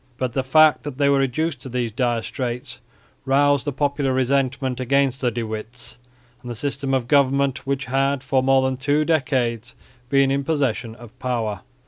But the fact that they were reduced to these dire straits roused the popular resentment against the De Witts and the system of government which had for more than two decades been in possession of power.